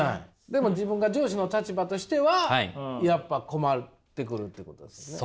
でも自分が上司の立場としてはやっぱ困ってくるっていうことですね。